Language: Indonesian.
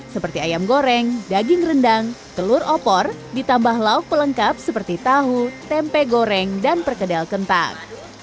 seperti ayam goreng daging rendang telur opor ditambah lauk pelengkap seperti tahu tempe goreng dan perkedel kentang